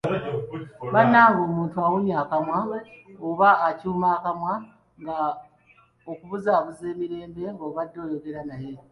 Bannange omuntu awunnya akamwa oba acuuma akamwa nga okubuuzaako emirembe ng'obade oyogera naye!